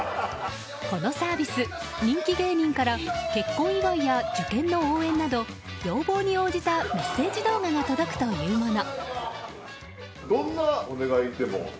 このサービス、人気芸人から結婚祝いや受験の応援など要望に応じたメッセージ動画が届くというもの。